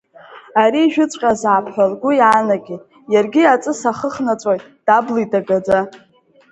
Ари ижәыҵәҟьазаап ҳәа лгәы иаанагеит, иаргьы аҵыс ахы хнаҵәоит, даблит агаӡа.